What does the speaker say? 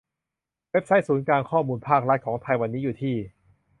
เว็บไซต์ศูนย์กลางข้อมูลภาครัฐของไทยวันนี้อยู่ที่